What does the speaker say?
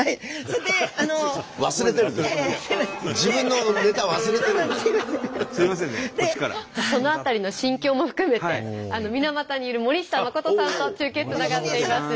その辺りの心境も含めて水俣にいる森下誠さんと中継つながっています。